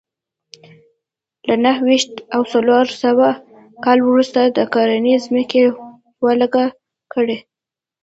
له نهه ویشت او څلور سوه کال وروسته د کرنیزې ځمکې ولکه کړې